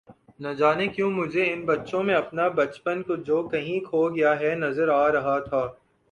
نجانے کیوں مجھے ان بچوں میں اپنا بچپن جو کہیں کھو گیا ہے نظر آ رہا تھا